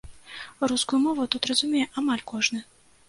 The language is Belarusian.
Рускую мову тут разумее амаль кожны.